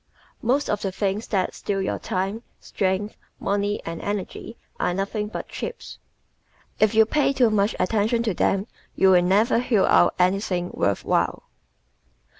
Most of the things that steal your time, strength, money and energy are nothing but chips. If you pay too much attention to them you will never hew out anything worth while.